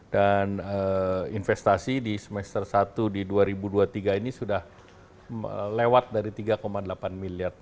investasi di semester satu di dua ribu dua puluh tiga ini sudah lewat dari tiga delapan miliar